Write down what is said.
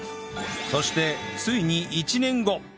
そしてついに１年後